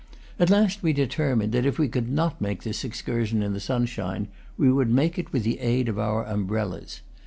At last we determined that if we could not make this excursion in the sunshine, we would make it with the aid of our umbrellas.